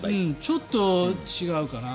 ちょっと違うかな。